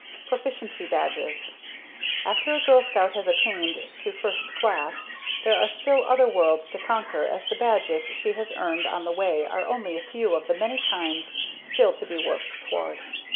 Proficiency Badges. After a Girl Scout has attained to First Class there are still other worlds to conquer as the badges she has earned on the way are only a few of the many kinds still to be worked toward.